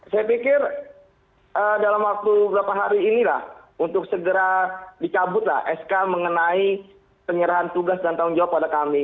saya pikir dalam waktu beberapa hari ini lah untuk segera dicabut lah sk mengenai penyerahan tugas dan tanggung jawab